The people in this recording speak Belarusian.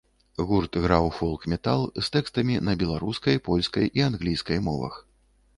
Гурт граў фолк-метал з тэкстамі на беларускай, польскай і англійскай мовах.